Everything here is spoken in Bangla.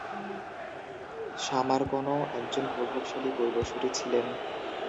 সামারকনও একজন প্রভাবশালী পূর্বসূরী ছিলেন।